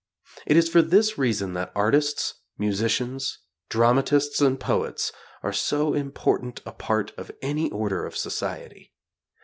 It is for this reason that artists, musicians, dramatists and poets are so important a part of any order of society.